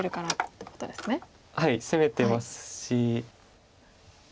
はい攻めてますし。